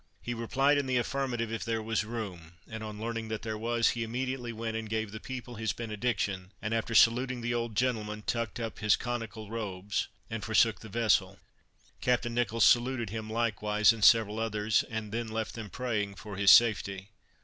He replied in the affirmative, if there was room; and on learning that there was, he immediately went and gave the people his benediction; and after saluting the old gentleman, tucked up his conical robes and forsook the vessel. Captain Nicholls saluted him likewise, and several others, and then left them praying for his safety.